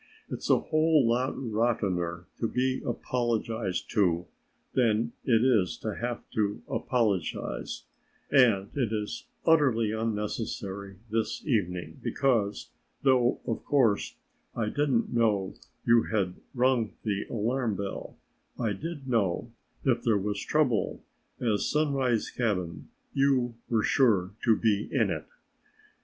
"It's a whole lot rottener to be apologized to than it is to have to apologize, and it is utterly unnecessary this evening because, though, of course, I didn't know you had rung the alarm bell, I did know if there was trouble at Sunrise cabin you were sure to be in it."